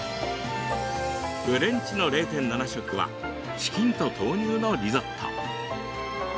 フレンチの０．７食はチキンと豆乳のリゾット。